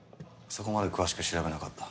そこまで詳しく調べなかった。